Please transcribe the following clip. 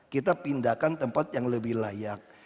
kita pindahkan tempat yang lebih layak